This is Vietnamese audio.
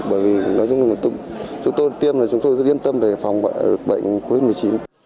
bởi vì nói chung là chúng tôi tiêm là chúng tôi rất yên tâm để phòng bệnh covid một mươi chín